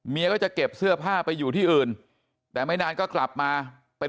ก็จะเก็บเสื้อผ้าไปอยู่ที่อื่นแต่ไม่นานก็กลับมาเป็น